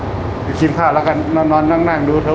สวัสดีครับผมชื่อสามารถชานุบาลชื่อเล่นว่าขิงถ่ายหนังสุ่นแห่ง